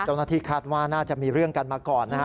เจ้าหน้าที่คาดว่าน่าจะมีเรื่องกันมาก่อนนะฮะ